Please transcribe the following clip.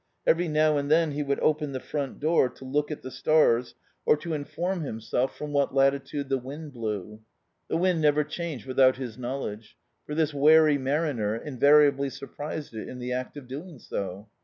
Every now and then he would open the front door to look at the stars or to inform himself from what D,i.,.db, Google Childhood latitude the wind blew. The wind never changed without his knowledge; for this wary mariner in variably surprised it in the act of doing so.